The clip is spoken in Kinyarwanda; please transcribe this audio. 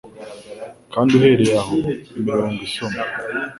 Kandi uhereye aho imirongo isoma